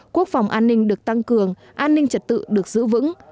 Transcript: quốc phòng an ninh được tăng cường an ninh trật tự được giữ vững